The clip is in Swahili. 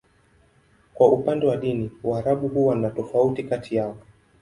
Kwa upande wa dini, Waarabu huwa na tofauti kati yao.